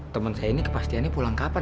teman saya ini kepastiannya pulang kapan